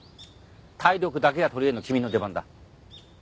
体力だけが取りえの君の出番だ。